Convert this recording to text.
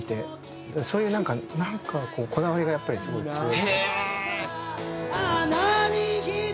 そういうなんかこだわりがやっぱりすごい強い。